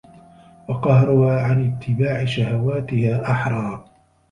وَقَهْرَهَا عَنْ اتِّبَاعِ شَهَوَاتِهَا أَحْرَى